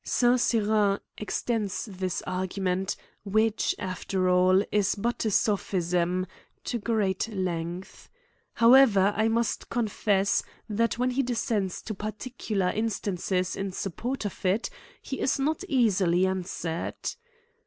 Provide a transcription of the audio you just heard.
'' St. Cyran extends this argument, which, after all, is but a sophism, to a great length. However, I must confess, that when he descends to particu^* lar instances in support of it, he is not easily an swered.